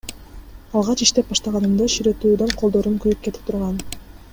Алгач иштеп баштаганымда ширетүүдөн колдорум күйүп кетип турган.